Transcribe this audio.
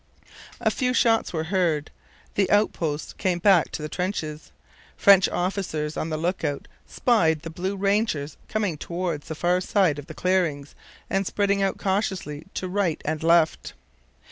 A few shots were heard. The outposts came back to the trenches. French officers on the look out spied the blue rangers coming towards the far side of the clearings and spreading out cautiously to right and left.